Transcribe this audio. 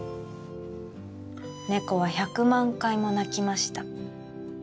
「ねこは１００万回もなきました」